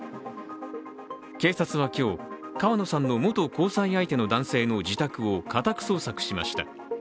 警察は今日、川野さんの元交際相手の男性の自宅を家宅捜索しました。